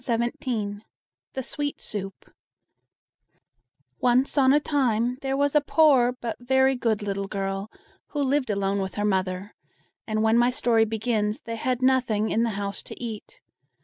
THE SWEET SOUP Once on a time there was a poor but very good little girl, who lived alone with her mother, and when my story begins, they had nothing in the house to eat.